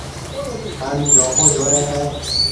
ھان جھونپو جھورَي ھيََََ